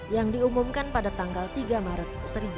yang diumumkan pada tanggal tiga maret seribu sembilan ratus empat puluh